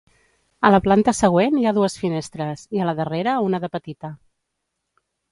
A la planta següent hi ha dues finestres, i a la darrera una de petita.